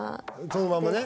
そのままね